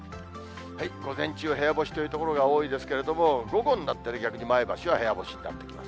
午前中、部屋干しという所が多いですけれども、午後になったら、逆に前橋は部屋干しになってきます。